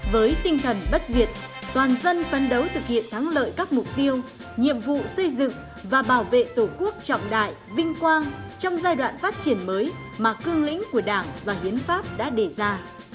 với tinh thần bất diệt toàn dân phân đấu thực hiện thắng lợi các mục tiêu nhiệm vụ xây dựng và bảo vệ tổ quốc trọng đại vinh quang trong giai đoạn phát triển mới mà cương lĩnh của đảng và hiến pháp đã đề ra